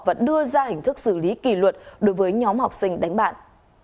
và đưa ra hình thức xử lý kỳ luật đối với nhóm học sinh đánh bạn